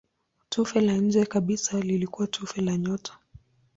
Tufe la nje kabisa lilikuwa tufe la nyota.